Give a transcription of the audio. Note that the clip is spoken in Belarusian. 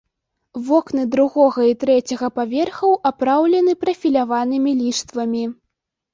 Вокны другога і трэцяга паверхаў апраўлены прафіляванымі ліштвамі.